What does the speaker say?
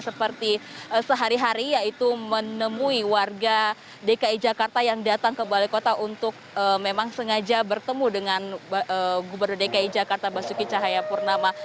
seperti sehari hari yaitu menemui warga dki jakarta yang datang ke balai kota untuk memang sengaja bertemu dengan gubernur dki jakarta basuki cahayapurnama